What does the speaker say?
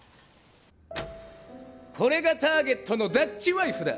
これがターゲットのダッチワイフだ。